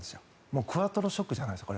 もうクワトロショックじゃないです。